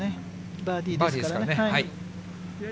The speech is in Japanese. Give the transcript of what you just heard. バーディーですからね。